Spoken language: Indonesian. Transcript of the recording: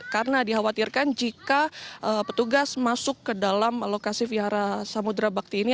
karena dikhawatirkan jika petugas masuk ke dalam lokasi wihara samudera bakti ini